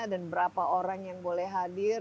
dan berapa orang yang boleh hadir